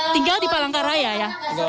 tinggal di palangkaraya ya